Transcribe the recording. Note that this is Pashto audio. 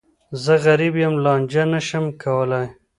زه غریب یم، لانجه نه شم کولای.